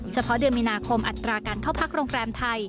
เฉพาะเดือนมีนาคมอัตราการเข้าพักโรงแรมไทย